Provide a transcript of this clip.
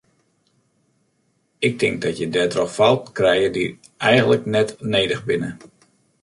Ik tink dat je dêrtroch fouten krije dy eigenlik net nedich binne.